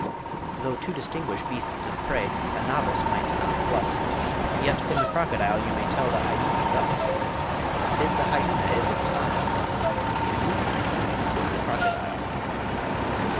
Though to distinguish beasts of prey A novice might nonplus; Yet from the Crocodile you may Tell the Hyena, thus: 'Tis the Hyena if it smile; If weeping, 'tis the Crocodile.